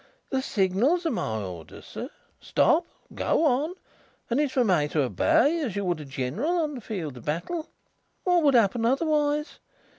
The signals are my orders, sir stop! go on! and it's for me to obey, as you would a general on the field of battle. What would happen otherwise!